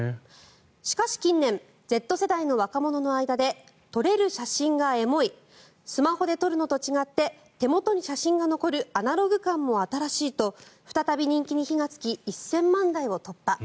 しかし、近年Ｚ世代の若者の間で撮れる写真がエモいスマホで撮るのと違って手元に写真が残るアナログ感も新しいと再び人気に火がつき１０００万台を突破。